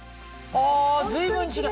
あ随分違う。